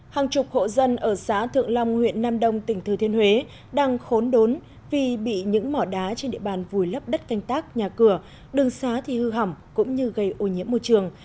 hàng chục hộ dân ở xã thượng long huyện nam đông tỉnh thừa thiên huế đang khốn đốn vì bị những mỏ đá trên địa bàn vùi lấp đất canh tác nhà cửa đường xá thì hư hỏng cũng như gây ô nhiễm môi trường